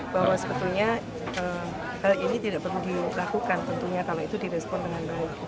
bahwa sebetulnya hal ini tidak perlu dilakukan tentunya kalau itu direspon dengan baik